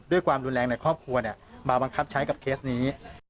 ด้วยความรุนแรงในครอบครัวมาบังคับใช้กับเคสนี้